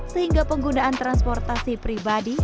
sehingga penggunaan transportasi pribadi